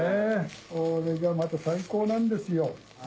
これがまた最高なんですよ。